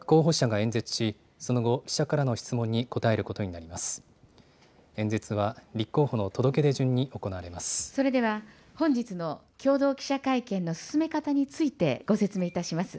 演説は、立候補の届け出順に行わそれでは、本日の共同記者会見の進め方についてご説明いたします。